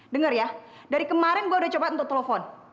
dengar ya dari kemarin gue udah coba untuk telepon